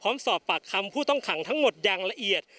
พร้อมด้วยผลตำรวจเอกนรัฐสวิตนันอธิบดีกรมราชทัน